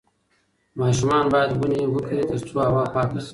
ماشومان باید ونې وکرې ترڅو هوا پاکه شي.